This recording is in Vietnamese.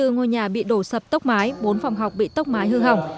hai trăm linh bốn ngôi nhà bị đổ sập tốc mái bốn phòng học bị tốc mái hư hỏng